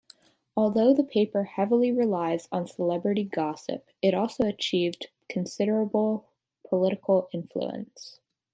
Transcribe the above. Although the paper heavily relies on celebrity gossip, it also achieved considerable political influence.